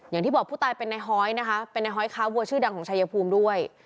อย่างที่บอกผู้ตายเป็นนายฮอยนะคะเป็นนายฮ้อยค้าวัวชื่อดังของชายภูมิด้วย